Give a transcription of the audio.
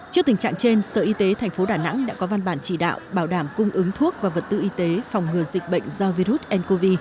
trước tình trạng trên sở y tế thành phố đà nẵng đã có văn bản chỉ đạo bảo đảm cung ứng thuốc và vật tư y tế phòng ngừa dịch bệnh do virus ncov